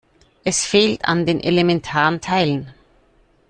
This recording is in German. Es fehlt an den elementaren Teilen.